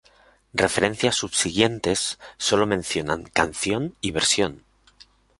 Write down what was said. Referencias subsiguientes sólo mencionan canción y version.